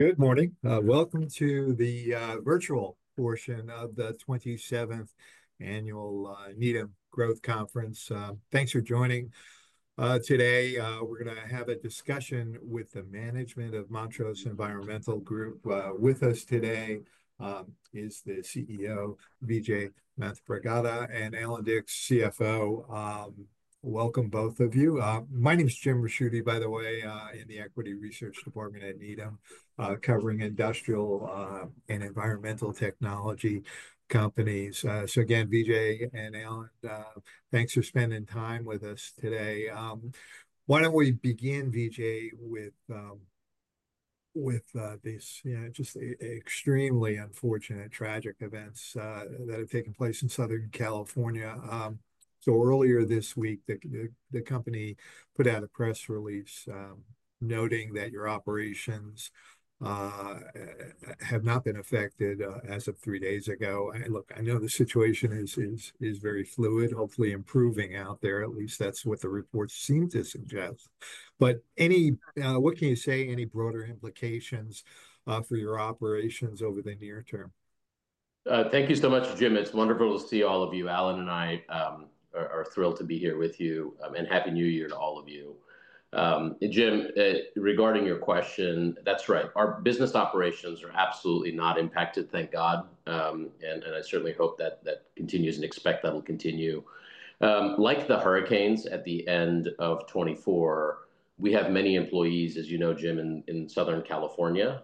Good morning. Welcome to the virtual portion of the 27th Annual Needham & Company Growth Conference. Thanks for joining today. We're going to have a discussion with the management of Montrose Environmental Group. With us today is the CEO, Vijay Manthripragada, and Allan Dicks, CFO. Welcome, both of you. My name is Jim Ricchiuti, by the way, in the Equity Research Department at Needham & Company, covering industrial and environmental technology companies. Vijay and Allan, thanks for spending time with us today. Why don't we begin, Vijay, with this just extremely unfortunate, tragic events that have taken place in Southern California. So earlier this week, the company put out a press release noting that your operations have not been affected as of three days ago. I know the situation is very fluid, hopefully improving out there. At least that's what the reports seem to suggest. But what can you say, any broader implications for your operations over the near term? Thank you so much, Jim. It's wonderful to see all of you. Allan and I are thrilled to be here with you and happy New Year to all of you. Jim, regarding your question, that's right. Our business operations are absolutely not impacted, thank God, and I certainly hope that that continues and expect that will continue. Like the hurricanes at the end of 2024, we have many employees, as you know, Jim, in Southern California,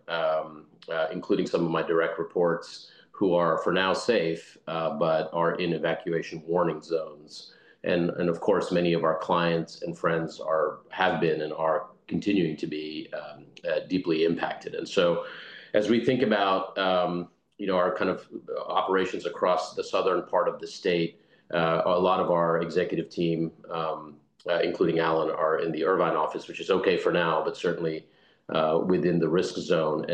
including some of my direct reports who are for now safe but are in evacuation warning zones. Of course, many of our clients and friends have been and are continuing to be deeply impacted. As we think about our kind of operations across the southern part of the state, a lot of our executive team, including Allan, are in the Irvine office, which is okay for now, but certainly within the risk zone.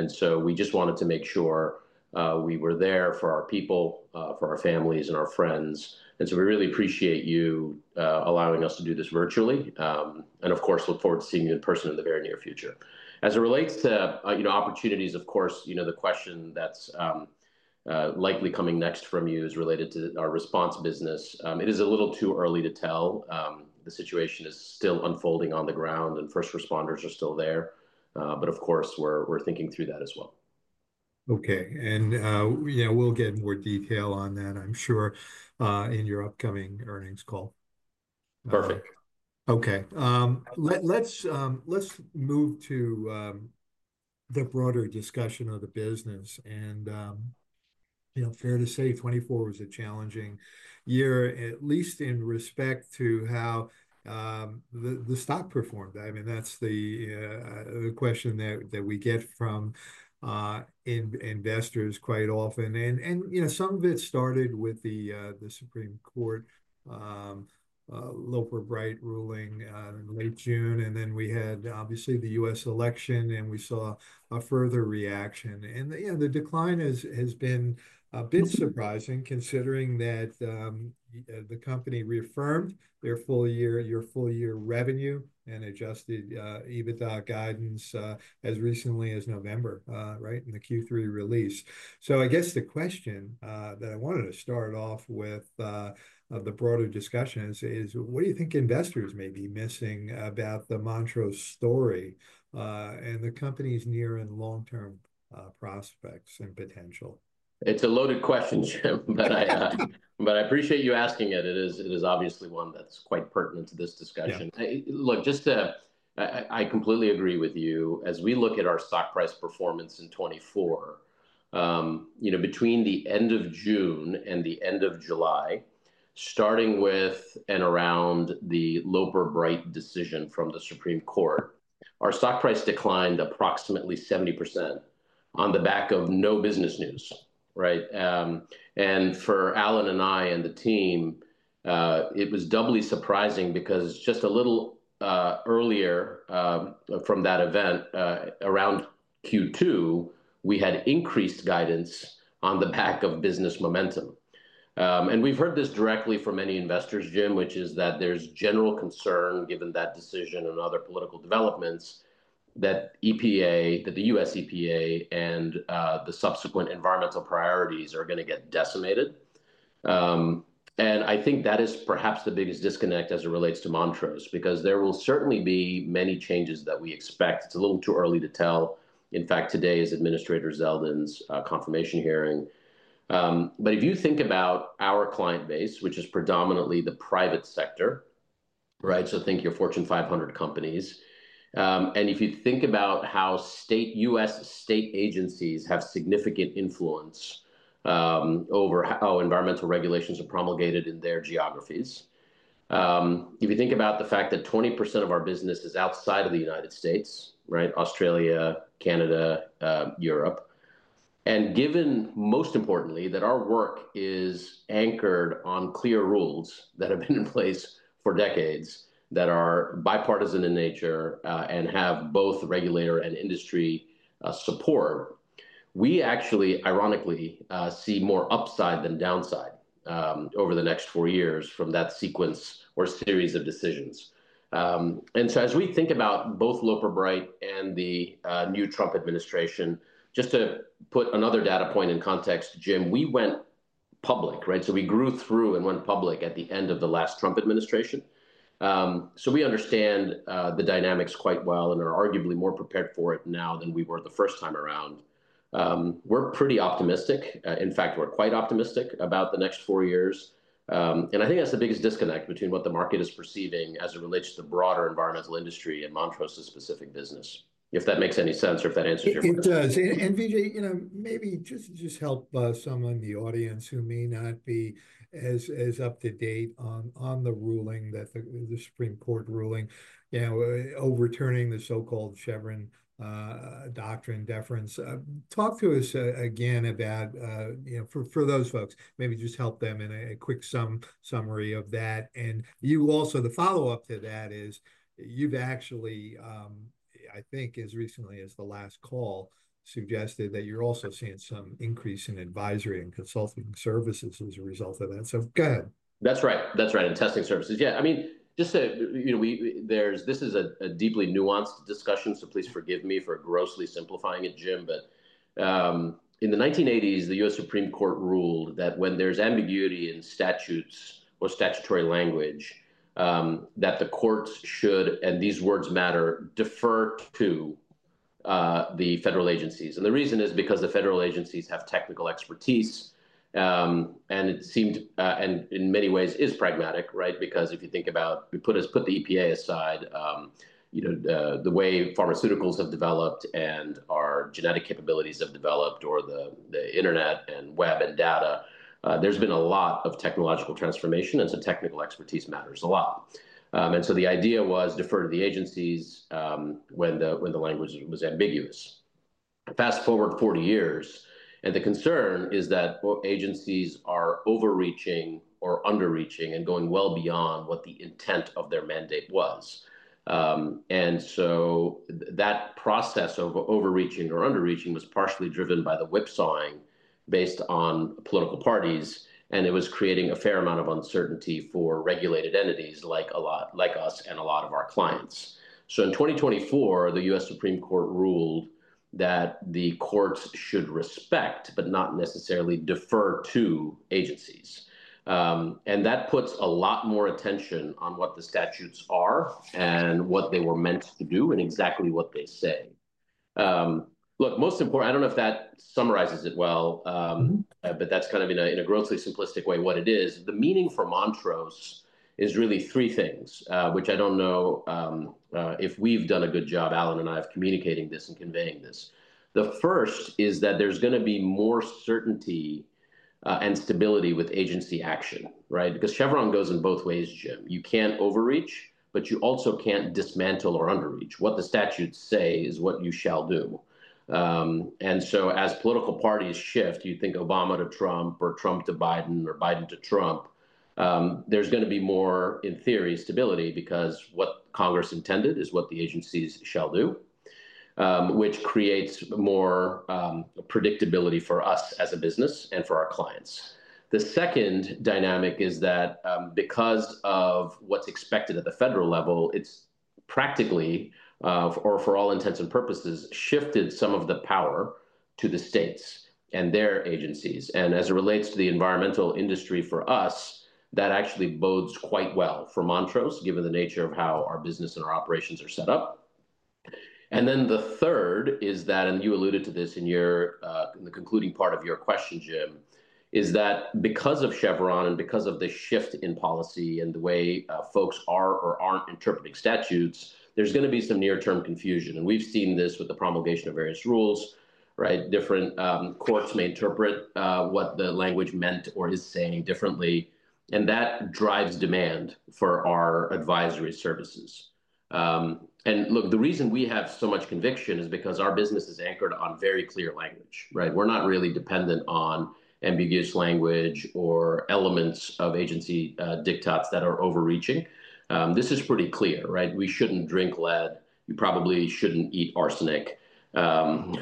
We just wanted to make sure we were there for our people, for our families, and our friends. We really appreciate you allowing us to do this virtually. Of course, we look forward to seeing you in person in the very near future. As it relates to opportunities, of course, the question that's likely coming next from you is related to our response business. It is a little too early to tell. The situation is still unfolding on the ground, and first responders are still there. Of course, we're thinking through that as well. We'll get more detail on that, I'm sure, in your upcoming earnings call. Perfect. Let's move to the broader discussion of the business. Fair to say 2024 was a challenging year, at least in respect to how the stock performed. That's the question that we get from investors quite often. Some of it started with the Supreme Court Loper Bright ruling in late June. Then we had, obviously, the U.S. election, and we saw a further reaction. The decline has been a bit surprising considering that the company reaffirmed your full-year revenue and Adjusted EBITDA guidance as recently as November, right, in the Q3 release. So I guess the question that I wanted to start off with the broader discussion is, what do you think investors may be missing about the Montrose story and the company's near and long-term prospects and potential? It's a loaded question, Jim, but I appreciate you asking it. It is obviously one that's quite pertinent to this discussion. Look, I completely agree with you. As we look at our stock price performance in 2024, between the end of June and the end of July, starting with and around the Loper Bright decision from the Supreme Court, our stock price declined approximately 70% on the back of no business news, For Allan and I and the team, it was doubly surprising because just a little earlier from that event, around Q2, we had increased guidance on the back of business momentum. We've heard this directly from many investors, Jim, which is that there's general concern given that decision and other political developments that the U.S. EPA and the subsequent environmental priorities are going to get decimated. That is perhaps the biggest disconnect as it relates to Montrose because there will certainly be many changes that we expect. It's a little too early to tell. In fact, today is Administrator Zeldin's confirmation hearing. But if you think about our client base, which is predominantly the private sector, right, so think your Fortune 500 companies. If you think about how U.S. state agencies have significant influence over how environmental regulations are promulgated in their geographies, if you think about the fact that 20% of our business is outside of the United States, right, Australia, Canada, Europe, and given most importantly that our work is anchored on clear rules that have been in place for decades that are bipartisan in nature and have both regulator and industry support, we actually, ironically, see more upside than downside over the next four years from that sequence or series of decisions. As we think about both Loper Bright and the new Trump administration, just to put another data point in context, Jim, we went public. We grew through and went public at the end of the last Trump administration. We understand the dynamics quite well and are arguably more prepared for it now than we were the first time around. We're pretty optimistic. In fact, we're quite optimistic about the next four years. That's the biggest disconnect between what the market is perceiving as it relates to the broader environmental industry and Montrose's specific business, if that makes any sense or if that answers your question. It does. Vijay, maybe just help someone in the audience who may not be as up to date on the ruling, the Supreme Court ruling, overturning the so-called Chevron deference. Talk to us again about, for those folks, maybe just help them in a quick summary of that. You also, the follow-up to that is you've actually, as recently as the last call, suggested that you're also seeing some increase in advisory and consulting services as a result of that. Go ahead. That's right. Testing services. This is a deeply nuanced discussion, so please forgive me for grossly simplifying it, Jim, but in the 1980s, the U.S. Supreme Court ruled that when there's ambiguity in statutes or statutory language, that the courts should, and these words matter, defer to the federal agencies. The reason is because the federal agencies have technical expertise. It seemed, and in many ways is pragmatic. If you think about, put the EPA aside, the way pharmaceuticals have developed and our genetic capabilities have developed or the internet and web and data, there's been a lot of technological transformation an technical expertise matters a lot. The idea was defer to the agencies when the language was ambiguous. Fast forward 40 years, and the concern is that agencies are overreaching or underreaching and going well beyond what the intent of their mandate was, that process of overreaching or underreaching was partially driven by the whipsawing based on political parties, and it was creating a fair amount of uncertainty for regulated entities like us and a lot of our clients, so in 2024, the U.S. Supreme Court ruled that the courts should respect, but not necessarily defer to agencies, and that puts a lot more attention on what the statutes are and what they were meant to do and exactly what they say. Most important, I don't know if that summarizes it well, but that's kind of in a grossly simplistic way what it is. The meaning for Montrose is really three things, which I don't know if we've done a good job, Allan and I, of communicating this and conveying this. The first is that there's going to be more certainty and stability with agency action. Chevron goes in both ways, Jim. You can't overreach, but you also can't dismantle or underreach. What the statutes say is what you shall do. As political parties shift, you think Obama to Trump or Trump to Biden or Biden to Trump, there's going to be more, in theory, stability because what Congress intended is what the agencies shall do, which creates more predictability for us as a business and for our clients. The second dynamic is that because of what's expected at the federal level, it's practically, or for all intents and purposes, shifted some of the power to the states and their agencies. As it relates to the environmental industry for us, that actually bodes quite well for Montrose given the nature of how our business and our operations are set up. The third is that, and you alluded to this in the concluding part of your question, Jim, is that because of Chevron and because of the shift in policy and the way folks are or aren't interpreting statutes, there's going to be some near-term confusion. We've seen this with the promulgation of various rules, right? Different courts may interpret what the language meant or is saying differently. That drives demand for our advisory services. The reason we have so much conviction is because our business is anchored on very clear language, right? We're not really dependent on ambiguous language or elements of agency diktats that are overreaching. This is pretty clear, right? We shouldn't drink lead. You probably shouldn't eat arsenic. I'm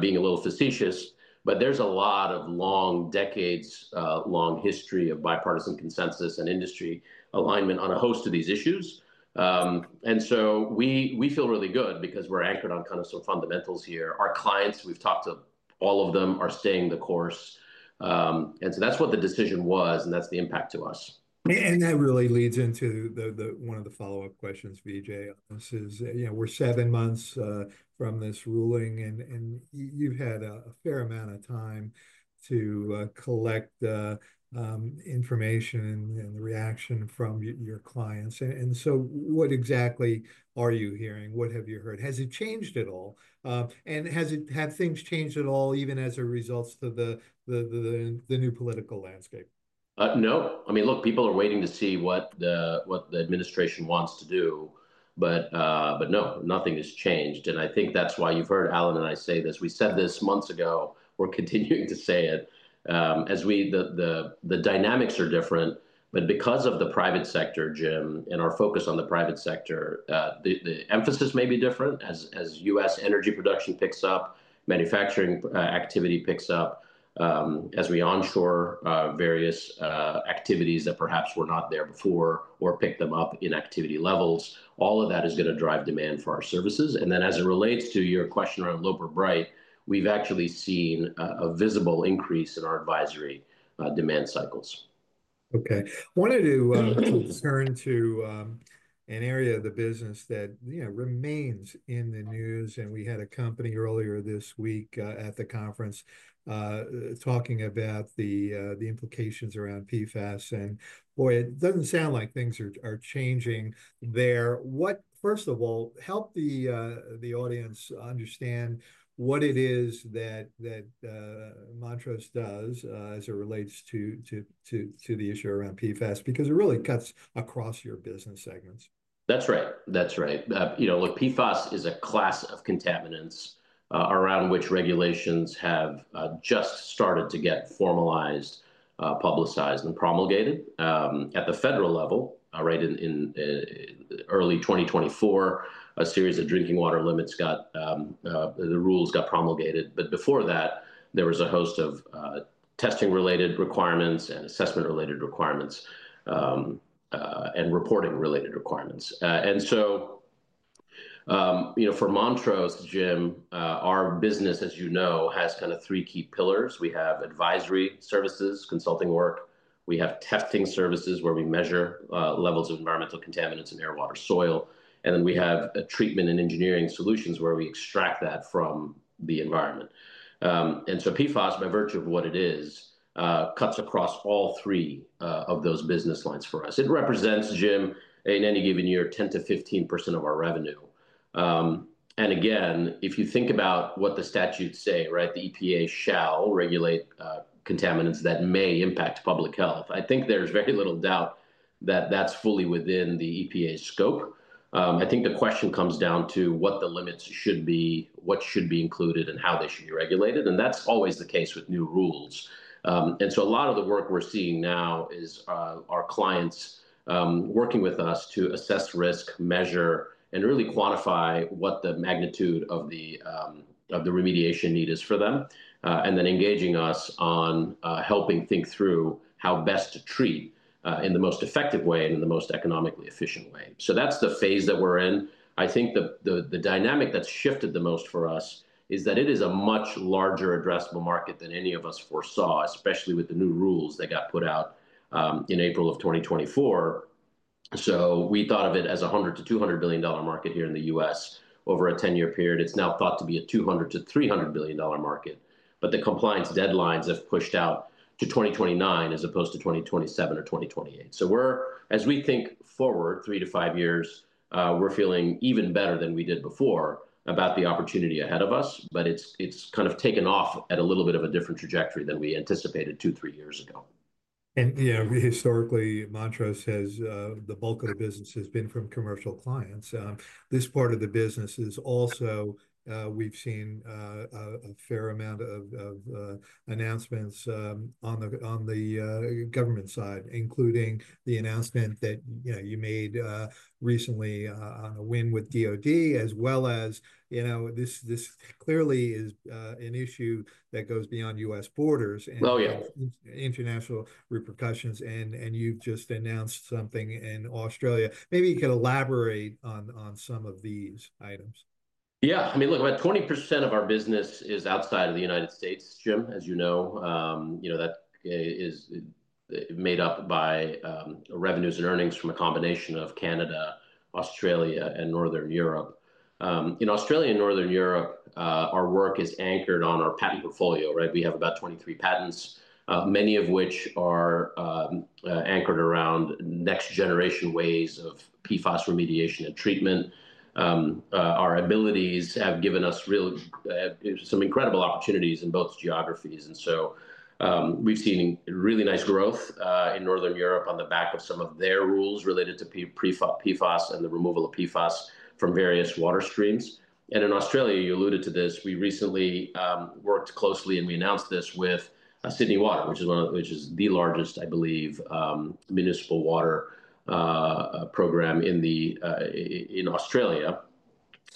being a little facetious, but there's a lot of long decades-long history of bipartisan consensus and industry alignment on a host of these issues. We feel really good because we're anchored on kind of some fundamentals here. Our clients, we've talked to all of them, are staying the course. That was the decision was, and that's the impact to us. That really leads into one of the follow-up questions, Vijay, is we're seven months from this ruling, and you've had a fair amount of time to collect information and the reaction from your clients. What exactly are you hearing? What have you heard? Has it changed at all? Have things changed at all even as a result of the new political landscape? People are waiting to see what the administration wants to do. But no, nothing has changed. That's why you've heard Allan and I say this. We said this months ago. We're continuing to say it. The dynamics are different, but because of the private sector, Jim, and our focus on the private sector, the emphasis may be different as U.S. energy production picks up, manufacturing activity picks up, as we onshore various activities that perhaps were not there before or pick them up in activity levels. All of that is going to drive demand for our services. And then as it relates to your question around Loper Bright, we've actually seen a visible increase in our advisory demand cycles. I wanted to turn to an area of the business that remains in the news, and we had a company earlier this week at the conference talking about the implications around PFAS, and boy, it doesn't sound like things are changing there. What, first of all, help the audience understand what it is that Montrose does as it relates to the issue around PFAS because it really cuts across your business segments? That's right. PFAS is a class of contaminants around which regulations have just started to get formalized, publicized, and promulgated at the federal level, right? In early 2024, a series of drinking water limits. The rules got promulgated. But before that, there was a host of testing-related requirements and assessment-related requirements and reporting-related requirements. For Montrose, Jim, our business, as you know, has kind of three key pillars. We have advisory services, consulting work. We have testing services where we measure levels of environmental contaminants in air, water, soil. We have treatment and engineering solutions where we extract that from the environment. PFAS, by virtue of what it is, cuts across all three of those business lines for us. It represents, Jim, in any given year, 10% to 15% of our revenue. Again, if you think about what the statutes say, right, the EPA shall regulate contaminants that may impact public health. There's very little doubt that that's fully within the EPA's scope. The question comes down to what the limits should be, what should be included, and how they should be regulated. That's always the case with new rules. A lot of the work we're seeing now is our clients working with us to assess risk, measure, and really quantify what the magnitude of the remediation need is for them, and then engaging us on helping think through how best to treat in the most effective way and in the most economically efficient way. That's the phase that we're in. The dynamic that's shifted the most for us is that it is a much larger addressable market than any of us foresaw, especially with the new rules that got put out in April of 2024. So we thought of it as a $100 to 200 billion market here in the U.S. over a 10-year period. It's now thought to be a $200 to 300 billion market. But the compliance deadlines have pushed out to 2029 as opposed to 2027 or 2028. So as we think forward three to five years, we're feeling even better than we did before about the opportunity ahead of us. But it's kind of taken off at a little bit of a different trajectory than we anticipated two, three years ago. Historically, Montrose has the bulk of the business been from commercial clients. This part of the business is also. We've seen a fair amount of announcements on the government side, including the announcement that you made recently on a win with DOD, as well as this clearly is an issue that goes beyond U.S. borders and international repercussions. You've just announced something in Australia. Maybe you could elaborate on some of these items. About 20% of our business is outside of the United States, Jim, as you know. That is made up by revenues and earnings from a combination of Canada, Australia, and Northern Europe. In Australia and Northern Europe, our work is anchored on our patent portfolio, right? We have about 23 patents, many of which are anchored around next-generation ways of PFAS remediation and treatment. Our abilities have given us some incredible opportunities in both geographies. We've seen really nice growth in Northern Europe on the back of some of their rules related to PFAS and the removal of PFAS from various water streams. In Australia, you alluded to this. We recently worked closely, and we announced this with Sydney Water, which is the largest, I believe, municipal water program in Australia.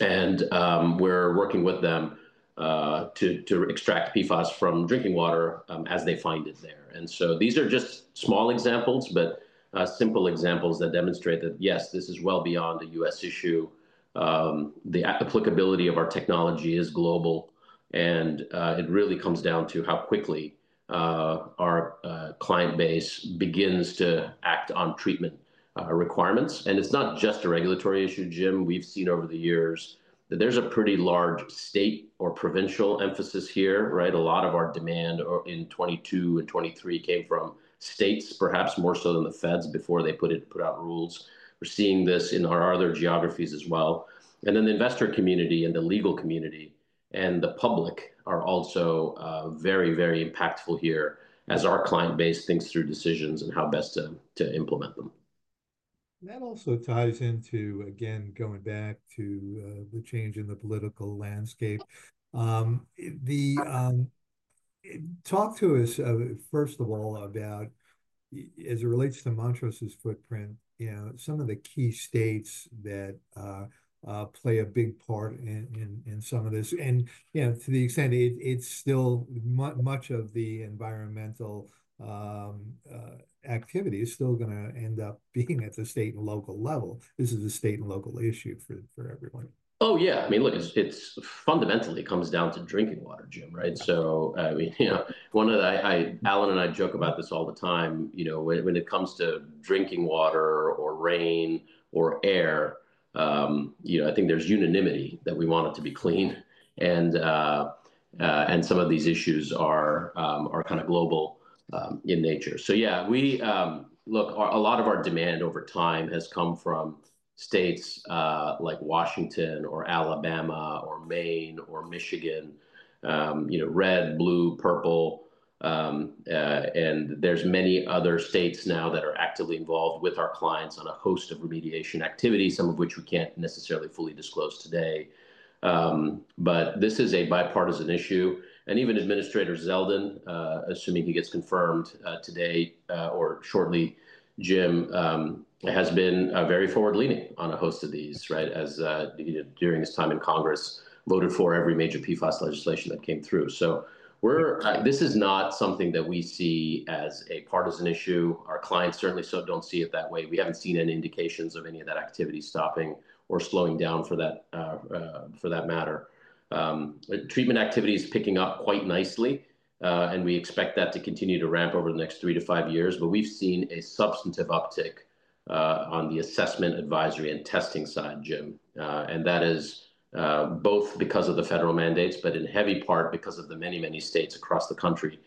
We're working with them to extract PFAS from drinking water as they find it there. These are just small examples, but simple examples that demonstrate that, yes, this is well beyond a U.S. issue. The applicability of our technology is global. It really comes down to how quickly our client base begins to act on treatment requirements. It's not just a regulatory issue, Jim. We've seen over the years that there's a pretty large state or provincial emphasis here. A lot of our demand in 2022 and 2023 came from states, perhaps more so than the feds before they put out rules. We're seeing this in our other geographies as well. The investor community and the legal community and the public are also very, very impactful here as our client base thinks through decisions and how best to implement them. That also ties into, again, going back to the change in the political landscape. Talk to us, first of all, about, as it relates to Montrose's footprint, some of the key states that play a big part in some of this. To the extent it's still much of the environmental activity is still going to end up being at the state and local level. This is a state and local issue for everyone. It fundamentally comes down to drinking water, Jim, right, so Allan and I joke about this all the time. When it comes to drinking water or rain or air, there's unanimity that we want it to be clean, and some of these issues are kind of global in nature, a lot of our demand over time has come from states like Washington or Alabama or Maine or Michigan, red, blue, purple, and there's many other states now that are actively involved with our clients on a host of remediation activities, some of which we can't necessarily fully disclose today, but this is a bipartisan issue. Even Administrator Zeldin, assuming he gets confirmed today or shortly, Jim, has been very forward-leaning on a host of these, right, as during his time in Congress voted for every major PFAS legislation that came through. So this is not something that we see as a partisan issue. Our clients certainly don't see it that way. We haven't seen any indications of any of that activity stopping or slowing down for that matter. Treatment activity is picking up quite nicely. We expect that to continue to ramp over the next three to five years. But we've seen a substantive uptick on the assessment, advisory, and testing side, Jim. That is both because of the federal mandates, but in heavy part because of the many, many states across the country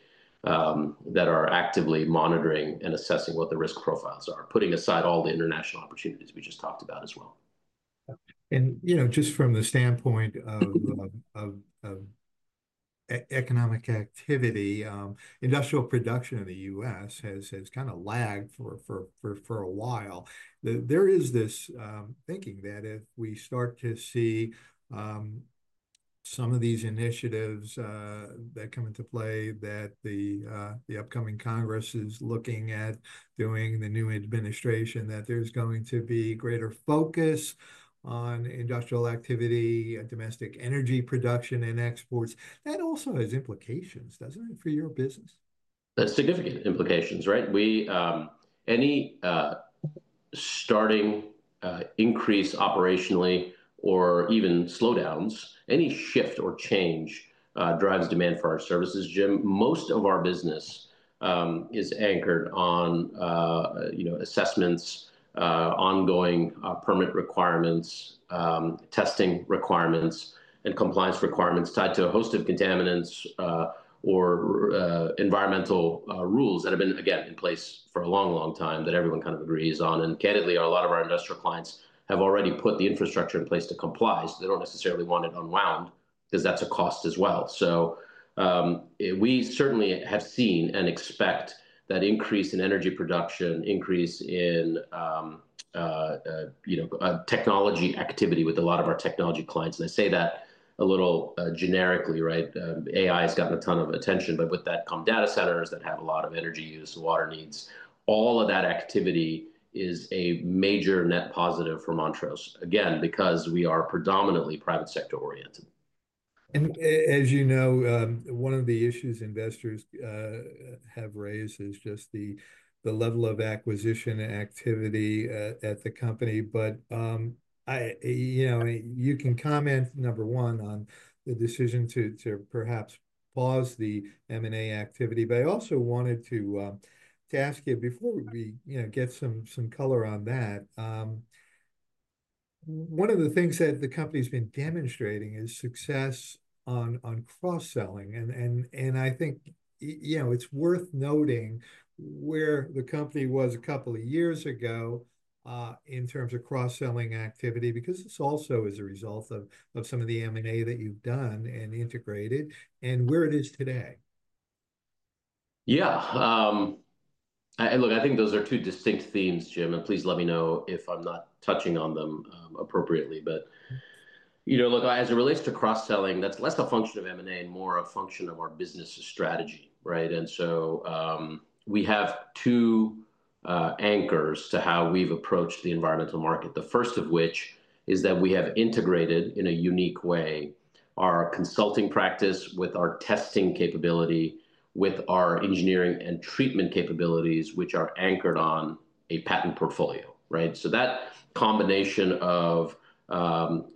that are actively monitoring and assessing what the risk profiles are, putting aside all the international opportunities we just talked about as well. Just from the standpoint of economic activity, industrial production in the U.S. has kind of lagged for a while. There is this thinking that if we start to see some of these initiatives that come into play that the upcoming Congress is looking at doing the new administration, that there's going to be greater focus on industrial activity, domestic energy production, and exports. That also has implications, doesn't it, for your business? Significant implications,. Any starting increase operationally or even slowdowns, any shift or change drives demand for our services, Jim. Most of our business is anchored on assessments, ongoing permit requirements, testing requirements, and compliance requirements tied to a host of contaminants or environmental rules that have been, again, in place for a long, long time that everyone kind of agrees on, and candidly, a lot of our industrial clients have already put the infrastructure in place to comply, so they don't necessarily want it unwound because that's a cost as well, we certainly have seen and expect that increase in energy production, increase in technology activity with a lot of our technology clients, and I say that a little generically. AI has gotten a ton of attention, but with that come data centers that have a lot of energy use, water needs. All of that activity is a major net positive for Montrose, again, because we are predominantly private sector oriented. One of the issues investors have raised is just the level of acquisition activity at the company. You can comment, number one, on the decision to perhaps pause the M&A activity. I also wanted to ask you before we get some color on that, one of the things that the company's been demonstrating is success on cross-selling. It's worth noting where the company was a couple of years ago in terms of cross-selling activity because this also is a result of some of the M&A that you've done and integrated and where it is today? Those are two distinct themes, Jim. Please let me know if I'm not touching on them appropriately. As it relates to cross-selling, that's less a function of M&A and more a function of our business strategy, right? We have two anchors to how we've approached the environmental market, the first of which is that we have integrated in a unique way our consulting practice with our testing capability, with our engineering and treatment capabilities, which are anchored on a patent portfolio, right? So that combination of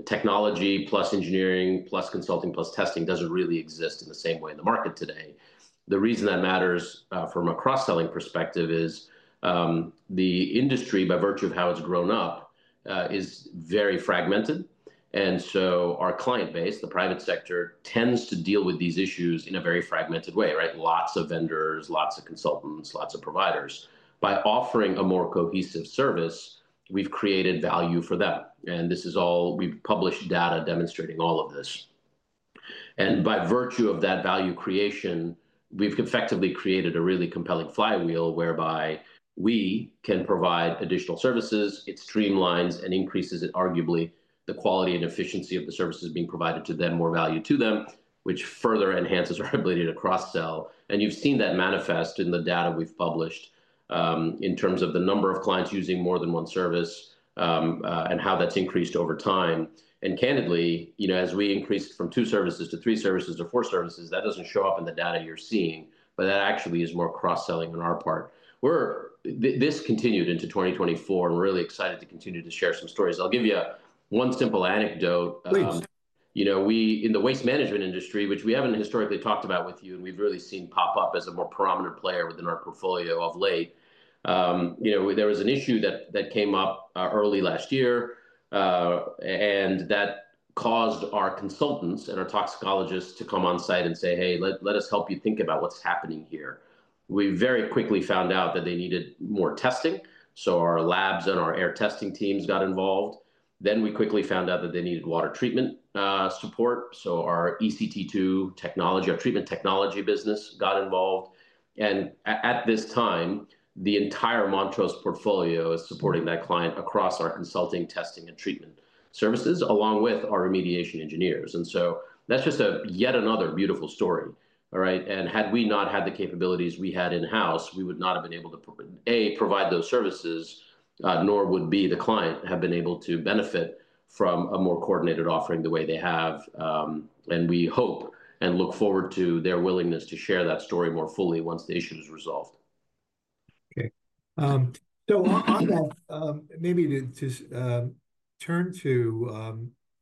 technology plus engineering plus consulting plus testing doesn't really exist in the same way in the market today. The reason that matters from a cross-selling perspective is the industry, by virtue of how it's grown up, is very fragmented. Our client base, the private sector, tends to deal with these issues in a very fragmented way, right? Lots of vendors, lots of consultants, lots of providers. By offering a more cohesive service, we've created value for them. This is all. We've published data demonstrating all of this. By virtue of that value creation, we've effectively created a really compelling flywheel whereby we can provide additional services. It streamlines and increases, arguably, the quality and efficiency of the services being provided to them, more value to them, which further enhances our ability to cross-sell. You've seen that manifest in the data we've published in terms of the number of clients using more than one service and how that's increased over time. Candidly, as we increase from two services to three services to four services, that doesn't show up in the data you're seeing. But that actually is more cross-selling on our part. This continued into 2024. We're really excited to continue to share some stories. I'll give you one simple anecdote. Please. In the waste management industry, which we haven't historically talked about with you and we've really seen pop up as a more prominent player within our portfolio of late, there was an issue that came up early last year. That caused our consultants and our toxicologists to come on site and say, "Hey, let us help you think about what's happening here." We very quickly found out that they needed more testing. So our labs and our air testing teams got involved. Then we quickly found out that they needed water treatment support. So our ECT2 technology, our treatment technology business, got involved. At this time, the entire Montrose portfolio is supporting that client across our consulting, testing, and treatment services, along with our remediation engineers. That's just yet another beautiful story. Had we not had the capabilities we had in-house, we would not have been able to, A, provide those services, nor would B, the client, have been able to benefit from a more coordinated offering the way they have. We hope and look forward to their willingness to share that story more fully once the issue is resolved. To turn to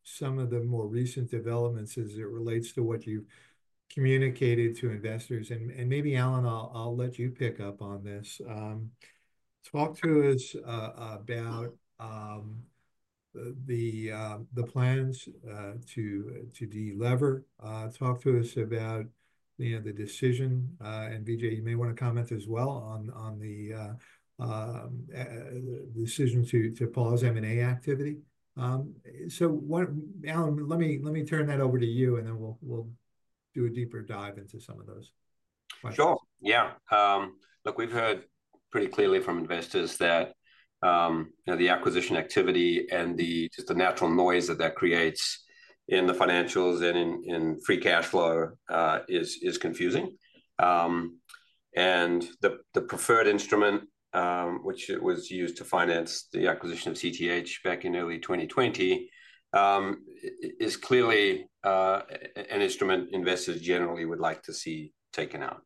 some of the more recent developments as it relates to what you've communicated to investors. Allan, I'll let you pick up on this. Talk to us about the plans to deliver. Talk to us about the decision. Vijay, you may want to comment as well on the decision to pause M&A activity. So Allan, let me turn that over to you, and then we'll do a deeper dive into some of those questions. We've heard pretty clearly from investors that the acquisition activity and just the natural noise that that creates in the financials and in free cash flow is confusing, and the preferred instrument, which was used to finance the acquisition of CTEH back in early 2020, is clearly an instrument investors generally would like to see taken out.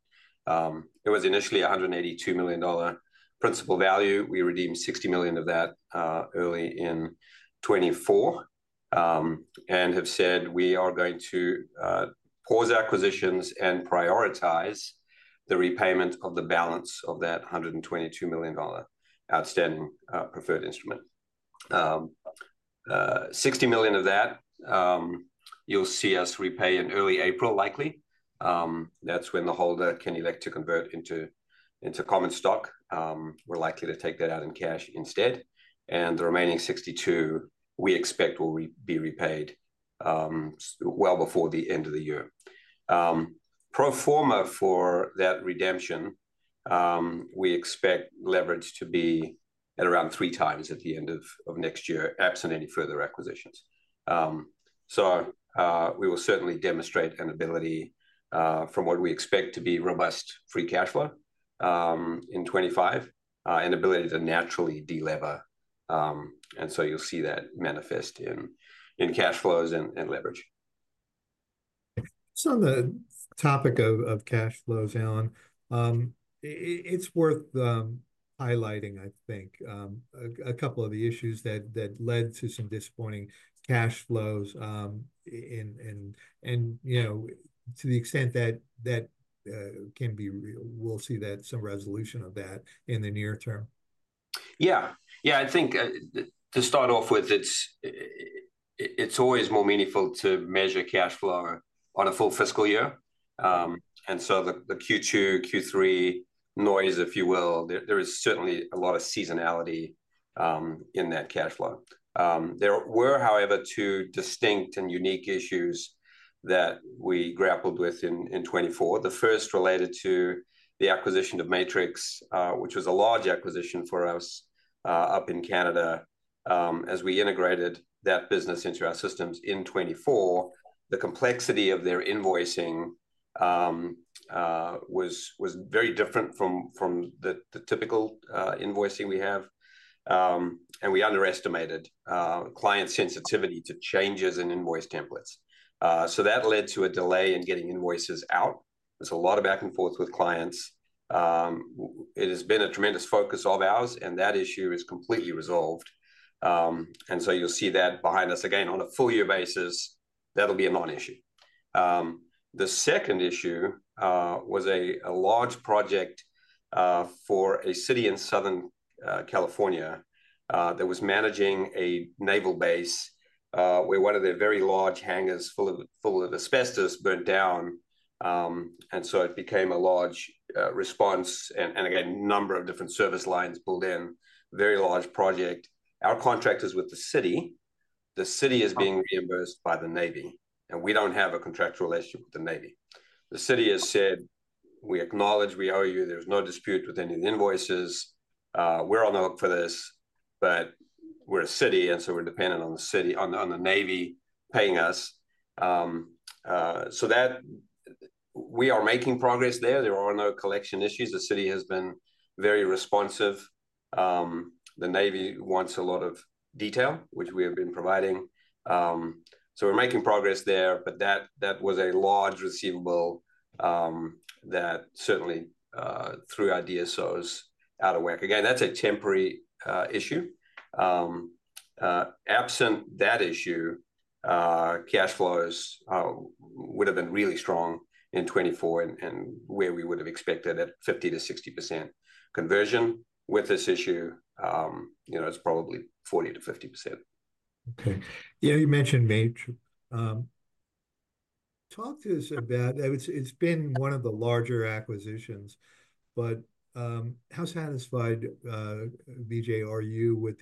It was initially $182 million principal value. We redeemed $60 million of that early in 2024 and have said we are going to pause acquisitions and prioritize the repayment of the balance of that $122 million outstanding preferred instrument. $60 million of that, you'll see us repay in early April, likely. That's when the holder can elect to convert into common stock. We're likely to take that out in cash instead, and the remaining $62, we expect will be repaid well before the end of the year. Pro forma for that redemption, we expect leverage to be at around three times at the end of next year, absent any further acquisitions. So we will certainly demonstrate an ability, from what we expect, to be robust free cash flow in 2025 and ability to naturally delever. You'll see that manifest in cash flows and leverage. The topic of cash flows, Allan, it's worth highlighting, a couple of the issues that led to some disappointing cash flows and to the extent that we'll see some resolution of that in the near term. To start off with, it's always more meaningful to measure cash flow on a full fiscal year. The Q2, Q3 noise, if you will, there is certainly a lot of seasonality in that cash flow. There were, however, two distinct and unique issues that we grappled with in 2024. The first related to the acquisition of Matrix, which was a large acquisition for us up in Canada. As we integrated that business into our systems in 2024, the complexity of their invoicing was very different from the typical invoicing we have. We underestimated client sensitivity to changes in invoice templates. So that led to a delay in getting invoices out. There's a lot of back and forth with clients. It has been a tremendous focus of ours. That issue is completely resolved. You'll see that behind us again on a full year basis. That'll be a non-issue. The second issue was a large project for a city in Southern California that was managing a naval base where one of their very large hangars full of asbestos burned down. It became a large response and, again, a number of different service lines pulled in, very large project. Our contract is with the city. The city is being reimbursed by the Navy. We don't have a contractual relationship with the Navy. The city has said, "We acknowledge we owe you. There's no dispute with any of the invoices. We're on the hook for this. But we're a city. We're dependent on the Navy paying us." So we are making progress there. There are no collection issues. The city has been very responsive. The Navy wants a lot of detail, which we have been providing. So we're making progress there. But that was a large receivable that certainly threw our DSOs out of whack. Again, that's a temporary issue. Absent that issue, cash flows would have been really strong in 2024 and where we would have expected at 50% to 60% conversion. With this issue, it's probably 40% to 50%. You mentioned Matrix. Talk to us about it. It's been one of the larger acquisitions. But how satisfied, Vijay, are you with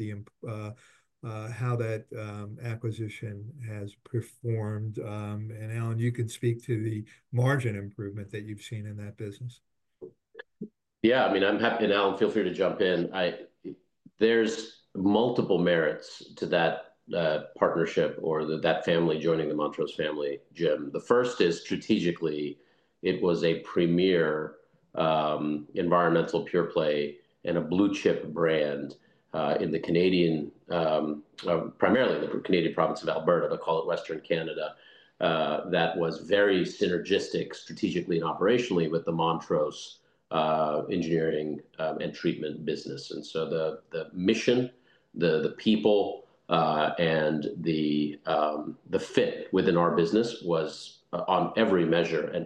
how that acquisition has performed? Allan, you can speak to the margin improvement that you've seen in that business. I'm happy. Allan, feel free to jump in. There's multiple merits to that partnership or that family joining the Montrose family, Jim. The first is strategically, it was a premier environmental pure play and a blue chip brand in Canada primarily in the Canadian province of Alberta. They'll call it Western Canada. That was very synergistic strategically and operationally with the Montrose engineering and treatment business. The mission, the people, and the fit within our business was, on every measure, an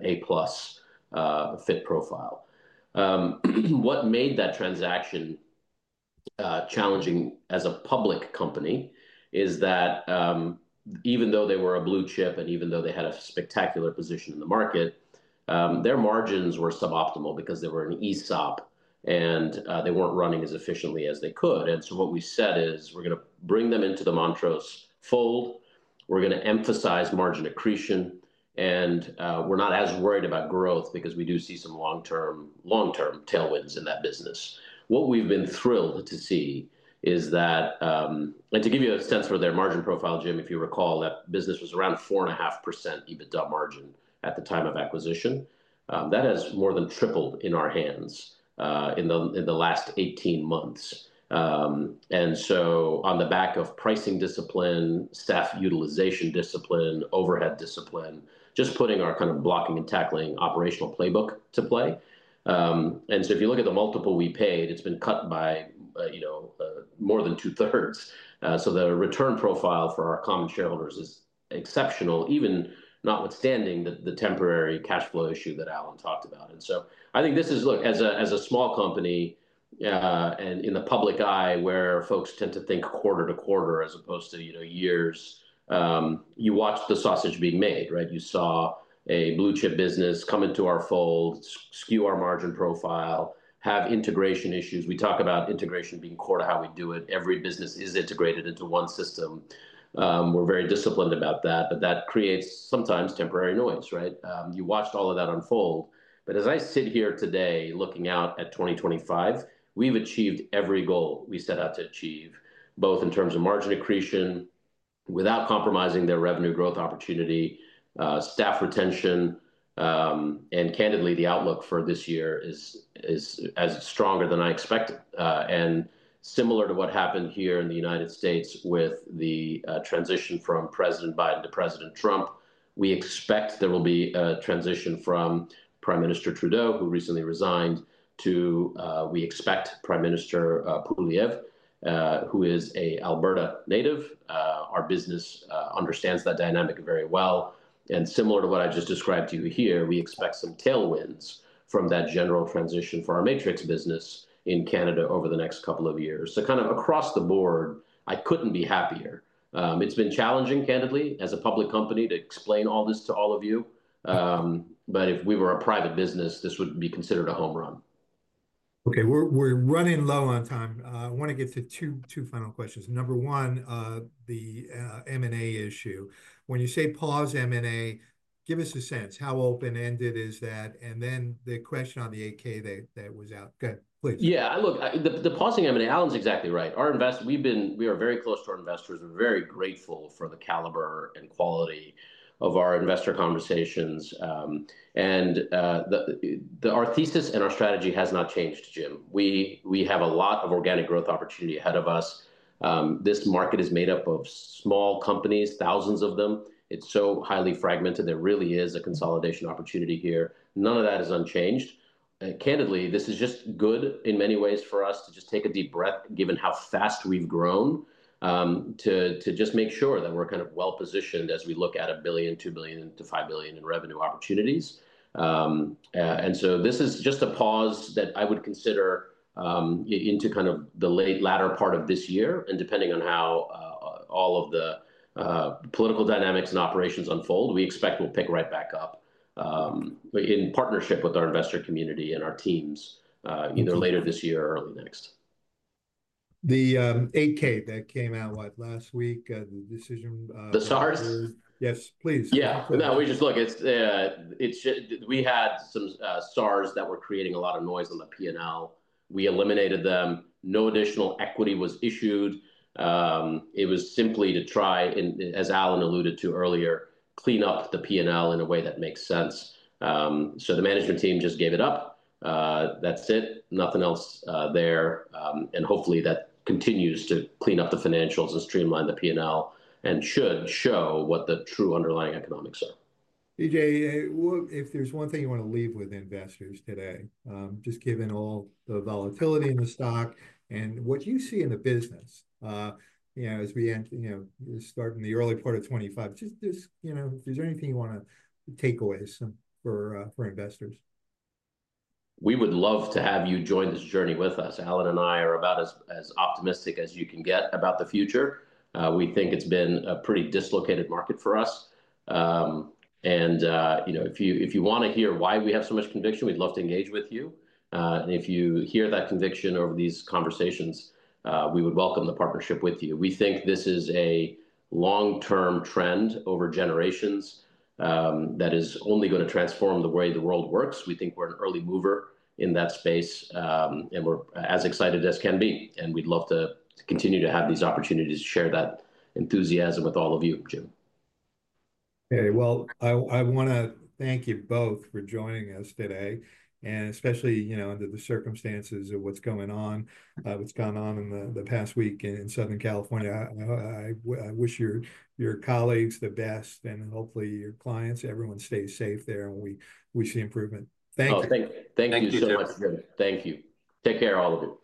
A-plus fit profile. What made that transaction challenging as a public company is that even though they were a blue chip and even though they had a spectacular position in the market, their margins were suboptimal because they were an ESOP. They weren't running as efficiently as they could. What we said is, "We're going to bring them into the Montrose fold. We're going to emphasize margin accretion. We're not as worried about growth because we do see some long-term tailwinds in that business." What we've been thrilled to see is that and to give you a sense for their margin profile, Jim, if you recall, that business was around 4.5% EBITDA margin at the time of acquisition. That has more than tripled in our hands in the last 18 months. On the back of pricing discipline, staff utilization discipline, overhead discipline, just putting our kind of blocking and tackling operational playbook to play. If you look at the multiple we paid, it's been cut by more than two-thirds. So the return profile for our common shareholders is exceptional, even notwithstanding the temporary cash flow issue that Allan talked about. This is, as a small company and in the public eye where folks tend to think quarter to quarter as opposed to years, you watch the sausage being made, right? You saw a blue chip business come into our fold, skew our margin profile, have integration issues. We talk about integration being core to how we do it. Every business is integrated into one system. We're very disciplined about that. But that creates sometimes temporary noise, right? You watched all of that unfold. But as I sit here today looking out at 2025, we've achieved every goal we set out to achieve, both in terms of margin accretion without compromising their revenue growth opportunity, staff retention. Candidly, the outlook for this year is as stronger than I expected. Similar to what happened here in the United States with the transition from President Biden to President Trump, we expect there will be a transition from Prime Minister Trudeau, who recently resigned, to we expect Prime Minister Poilievre, who is an Alberta native. Our business understands that dynamic very well. Similar to what I just described to you here, we expect some tailwinds from that general transition for our Matrix business in Canada over the next couple of years. So kind of across the board, I couldn't be happier. It's been challenging, candidly, as a public company to explain all this to all of you. If we were a private business, this would be considered a home run. We're running low on time. I want to get to two final questions. Number one, the M&A issue. When you say pause M&A, give us a sense. How open-ended is that? The question on the 8K that was out. Go ahead, please. The pausing M&A, Allan's exactly right. We are very close to our investors. We're very grateful for the caliber and quality of our investor conversations. Our thesis and our strategy has not changed, Jim. We have a lot of organic growth opportunity ahead of us. This market is made up of small companies, thousands of them. It's so highly fragmented there really is a consolidation opportunity here. None of that is unchanged. Candidly, this is just good in many ways for us to just take a deep breath, given how fast we've grown, to just make sure that we're kind of well-positioned as we look at $1 billion, 2 billion to $5 billion in revenue opportunities. This is just a pause that I would consider into kind of the latter part of this year. Depending on how all of the political dynamics and operations unfold, we expect we'll pick right back up in partnership with our investor community and our teams either later this year or early next. The 8K that came out, what, last week? The decision. The SARs? Yes, please. We just look. We had some SARs that were creating a lot of noise on the P&L. We eliminated them. No additional equity was issued. It was simply to try, as Allan alluded to earlier, clean up the P&L in a way that makes sense. So the management team just gave it up. That's it. Nothing else there, and hopefully, that continues to clean up the financials and streamline the P&L and should show what the true underlying economics are. Vijay, if there's one thing you want to leave with investors today, just given all the volatility in the stock and what you see in the business as we start in the early part of 2025, just if there's anything you want to take away for investors. We would love to have you join this journey with us. Allan and I are about as optimistic as you can get about the future. We think it's been a pretty dislocated market for us. If you want to hear why we have so much conviction, we'd love to engage with you. If you hear that conviction over these conversations, we would welcome the partnership with you. We think this is a long-term trend over generations that is only going to transform the way the world works. We think we're an early mover in that space. We're as excited as can be. We'd love to continue to have these opportunities to share that enthusiasm with all of you, Jim. I want to thank you both for joining us today, and especially under the circumstances of what's going on, what's gone on in the past week in Southern California. I wish your colleagues the best, and hopefully, your clients, everyone stays safe there and we see improvement. Thank you. Thank you so much, Jim. Thank you. Take care, all of you.